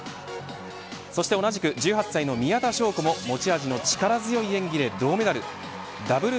そして同じく１８歳の宮田笙子も持ち味の力強い演技で銅メダル。